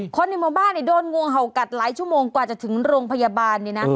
คนในหมู่บ้านโดนงูเห่ากัดหลายชั่วโมงกว่าจะถึงโรงพยาบาลเนี่ยนะ